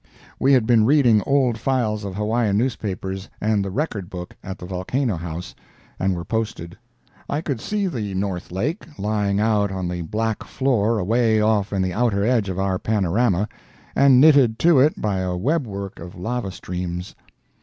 We had been reading old files of Hawaiian newspapers and the "Record Book" at the Volcano House, and were posted. I could see the North Lake lying out on the black floor away off in the outer edge of our panorama, and knitted to it by a webwork of lava streams.